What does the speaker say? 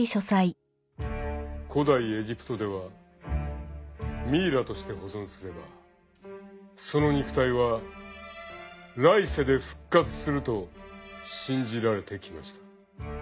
古代エジプトではミイラとして保存すればその肉体は来世で復活すると信じられてきました。